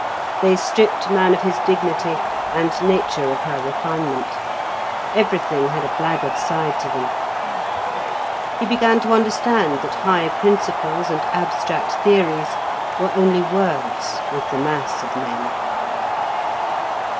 They stripped man of his dignity, and nature of her refinement. Everything had a blackguard side to them. He began to understand that high principles and abstract theories were only words with the mass of men.